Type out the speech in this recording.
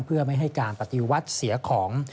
เพื่อไม่ให้การปฏิวัติเสียของ